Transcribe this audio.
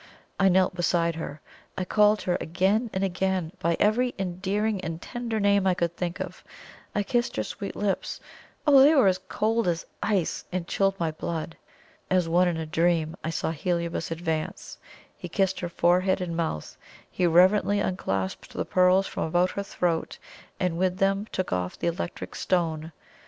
I knelt beside her; I called her again and again by every endearing and tender name I could think of; I kissed her sweet lips. Oh, they were cold as ice, and chilled my blood! As one in a dream, I saw Heliobas advance; he kissed her forehead and mouth; he reverently unclasped the pearls from about her throat, and with them took off the electric stone.